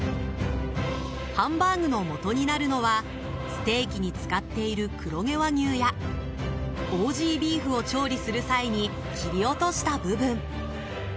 ハンバーグのもとになるのはステーキに使っている黒毛和牛やオージービーフを調理する際に切り落とした部分。